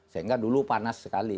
sehingga dulu panas sekali